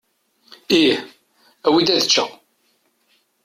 Ih. Awi-d ad eččeɣ.